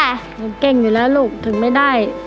ยังเก้งอยู่แล้วลูกถึงไม่ได้